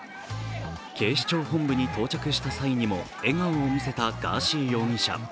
警視庁本部に到着した際にも笑顔を見せたガーシー容疑者。